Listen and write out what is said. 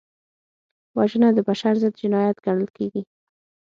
وژنه د بشر ضد جنایت ګڼل کېږي